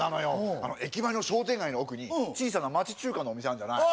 あの駅前の商店街の奥に小さな町中華のお店あんじゃないあ